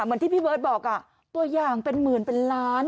เหมือนที่พี่เบิร์ตบอกตัวอย่างเป็นหมื่นเป็นล้าน